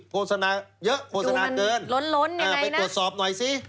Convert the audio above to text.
โฆษณาเยอะโฆษณาเกินล้นล้นไปตรวจสอบหน่อยสิ